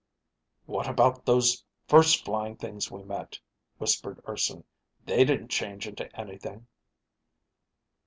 "What about those first flying things we met?" whispered Urson. "They didn't change into anything."